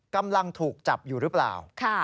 กำลังถูกจับอยู่หรือเปล่า